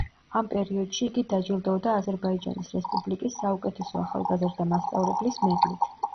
ამ პერიოდში იგი დაჯილდოვდა აზერბაიჯანის რესპუბლიკის საუკეთესო ახალგაზრდა მასწავლებლის მედლით.